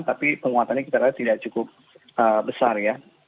secara tidak cukup besar ya